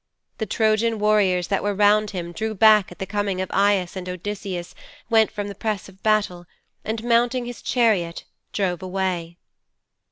The Trojan warriors that were round him drew back at the coming of Aias and Odysseus went from the press of battle, and mounting his chariot drove away.'